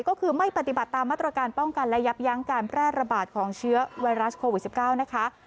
ก็คือไม่ปฏิบัติตามมาตรการป้องกันและยับยั้งการแพร่ระบาดของเชื้อไวรัสโควิด๑๙นะคะ